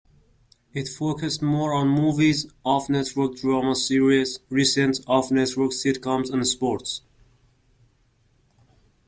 It focused more on movies, off-network drama series, recent off-network sitcoms and sports.